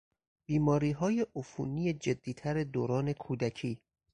بیماریهای عفونی جدیتر دوران کودکی